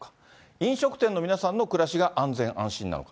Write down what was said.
飲食店の皆さんの暮らしが安全・安心なのか。